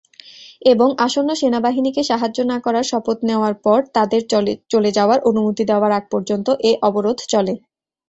এবং আসন্ন সেনাবাহিনীকে সাহায্য না করার শপথ নেওয়ার পর তাদের চলে যাওয়ার অনুমতি দেওয়ার আগ পর্যন্ত এ অবরোধ চলে।